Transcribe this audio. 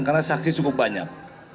karena saksi cukup banyak